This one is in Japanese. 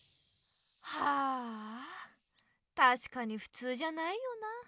はぁたしかにふつうじゃないよな。